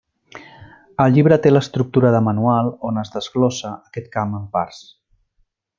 El llibre té l'estructura de manual on es desglossa aquest camp en parts.